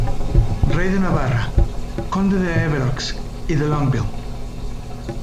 Rey de Navarra, Conde de Évreux y de Longueville.